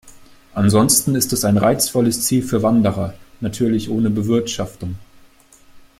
Ansonsten ist es ein reizvolles Ziel für Wanderer, natürlich ohne Bewirtschaftung.